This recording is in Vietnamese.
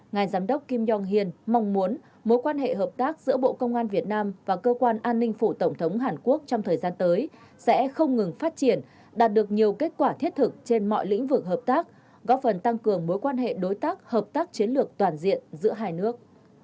ngài giám đốc kim yong hion mong muốn mối quan hệ hợp tác giữa bộ công an việt nam và cơ quan an ninh phủ tổng thống hàn quốc trong thời gian tới sẽ không ngừng phát triển đạt được nhiều kết quả thiết thực trên mọi lĩnh vực hợp tác góp phần tăng cường mối quan hệ đối tác hợp tác chiến lược toàn diện giữa hai nước